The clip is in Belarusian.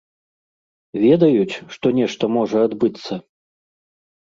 Ведаюць, што нешта можа адбыцца?